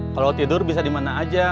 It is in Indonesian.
kalau tidur bisa dimana aja